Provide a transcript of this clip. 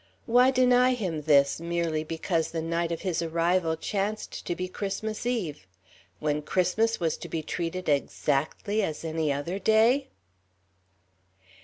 Why deny him this, merely because the night of his arrival chanced to be Christmas Eve? When Christmas was to be treated exactly as any other day?